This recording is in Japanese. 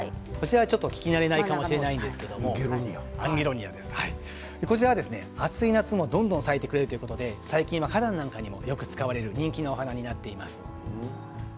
聞き慣れないかもしれないですけれどもこちらは暑い夏もどんどん咲いてくれるということで最近は花壇でもよく使われる人気のお花になっています。